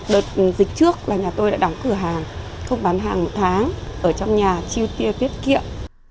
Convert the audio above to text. đợt dịch trước là nhà tôi đã đóng cửa hàng không bán hàng một tháng ở trong nhà chiêu tiêu tiết kiệm